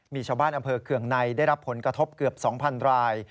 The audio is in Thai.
มีชาวบ้านอำเภอเคืองในได้รับผลกระทบเกือบ๒๐๐ราย